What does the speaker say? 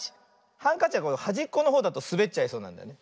ハンカチははじっこのほうだとすべっちゃいそうなんだよね。